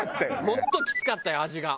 もっときつかったよ味が。